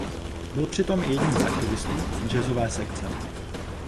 Byl přitom i jedním z aktivistů Jazzové sekce.